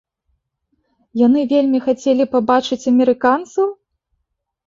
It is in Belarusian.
Яны вельмі хацелі пабачыць амерыканцаў?